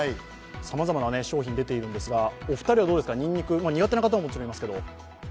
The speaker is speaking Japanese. さまざまな商品が出ているんですが、お二人はどうですか、苦手な方ももちろんいますけど。